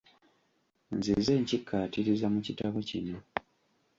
Nzize nkikkaatiriza mu kitabo kino.